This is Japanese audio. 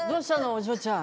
お嬢ちゃん。